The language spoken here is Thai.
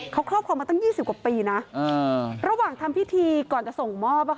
เขาครอบครอบมาตั้งยี่สิบกว่าปีนะเออระหว่างทำพิธีก่อนจะส่งมอบอะค่ะ